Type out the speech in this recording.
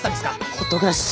ほっておけないっす。